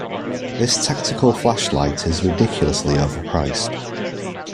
This tactical flashlight is ridiculously overpriced.